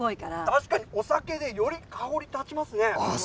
確かにお酒でより香り立ちますね。